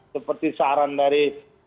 seperti saran dari